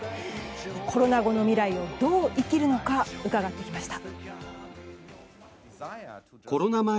コロナ後の未来をどう生きるのか伺ってきました。